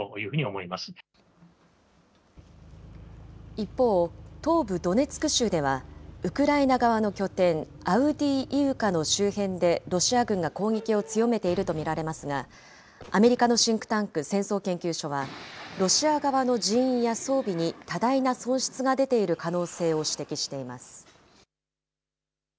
一方、東部ドネツク州では、ウクライナ側の拠点、アウディーイウカの周辺でロシア軍が攻撃を強めていると見られますが、アメリカのシンクタンク、戦争研究所は、ロシア側の人員や装備に多大な損失が出ている可能性を指摘しています。